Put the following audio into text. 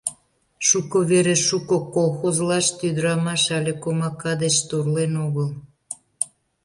Шуко вере, шуко колхозлаште ӱдырамаш але комака деч торлен огыл.